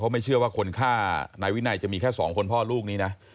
ไม่เชื่อว่าคนฆ่านายวินัยจะมีแค่สองคนพ่อลูกนี้นะ